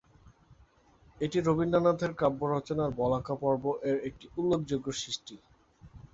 এটি রবীন্দ্রনাথের কাব্য রচনার "বলাকা পর্ব"-এর একটি উল্লেখযোগ্য সৃষ্টি।